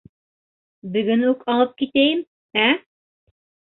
— Бөгөн үк алып китәйем, ә?